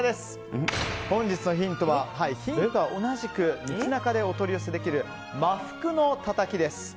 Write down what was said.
本日のヒントは同じく道中でお取り寄せできるマフクのたたきです。